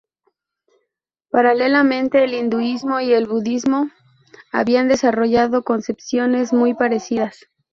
Paralelamente, el hinduismo y el budismo habían desarrollado concepciones muy parecidas.